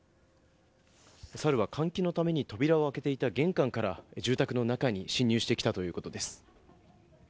サルは換気のために扉を開けていた玄関から住宅の中に侵入してきたということです。